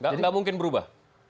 nggak mungkin berubah